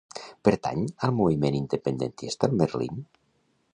Pertany al moviment independentista el Merlin?